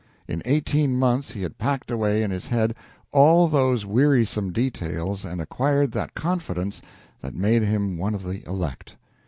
In eighteen months he had packed away in his head all those wearisome details and acquired that confidence that made him one of the elect.